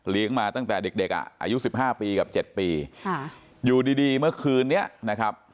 ลีงมาตั้งแต่เด็กอ่ะอายุสิบห้าปีกับเจ็ดปีอยู่ดีเมื่อคืนนี้นะครับ